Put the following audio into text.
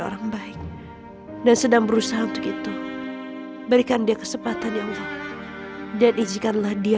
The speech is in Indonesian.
orang baik dan sedang berusaha untuk itu berikan dia kesempatan ya allah dan izinkanlah dia